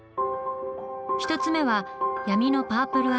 １つめは「闇のパープル・アイ」。